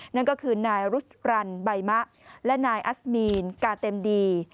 นั่นก็คือนายรุสรันใบมะและนายอัสมีนกาเต็มดี